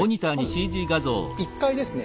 まず１階ですね。